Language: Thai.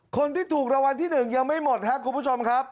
คนที่ถูกรางวัลที่๑ยังไม่หมดครับคุณผู้ชมครับ